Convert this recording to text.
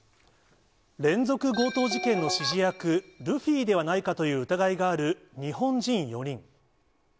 連続強盗事件の指示役、ルフィではないかという疑いがある日本人４人。